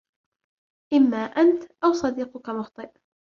إما أنت أو صديقك مخطئ.